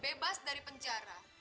bebas dari penjara